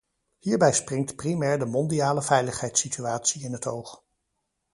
Hierbij springt primair de mondiale veiligheidssituatie in het oog.